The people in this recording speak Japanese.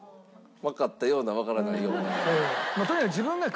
わかったようなわからないような。